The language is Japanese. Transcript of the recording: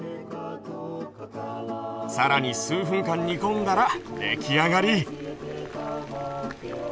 さらに数分間煮込んだら出来上がり。